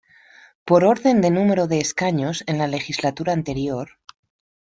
Por orden de número de escaños en la legislatura anterior.